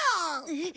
えっ。